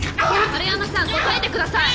円山さん答えてください！